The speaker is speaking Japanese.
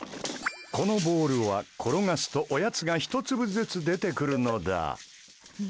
このボールは転がすとおやつがひと粒ずつ出てくるのだ。